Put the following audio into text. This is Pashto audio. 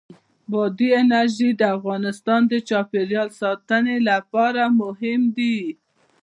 بادي انرژي د افغانستان د چاپیریال ساتنې لپاره مهم دي.